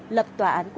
lập tòa án